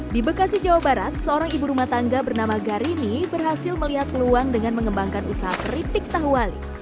di bekasi jawa barat seorang ibu rumah tangga bernama garini berhasil melihat peluang dengan mengembangkan usaha keripik tahu wali